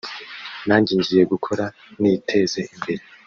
nanjye ngiye gukora niteze imbere